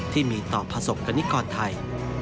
ที่มีต่อผสมกันิกรไทย